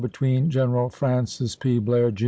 General Francis P. Blair, Jr.